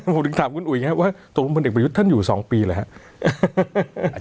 ผมถึงถามคุณอุ๋ยไงว่าสมมุติพลเอกประยุทธิ์ท่านอยู่๒ปีแหละครับ